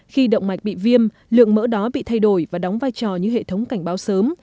khi động mạch bị viêm lượng mỡ đó bị thay đổi và đóng vai trò như hệ thống cảnh báo sớm